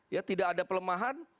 ya tidak ada pelemahan